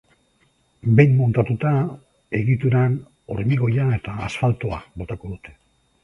Behin muntatuta, egituran hormigoia eta asfaltoa botako dute.